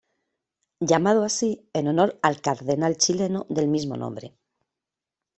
Llamado así en honor al cardenal chileno del mismo nombre.